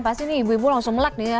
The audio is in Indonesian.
pasti nih ibu ibu langsung melek nih ya